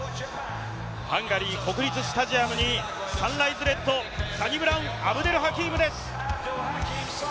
ハンガリー国立スタジアムにサンライズレッド、サニブラウン・アブデル・ハキームです。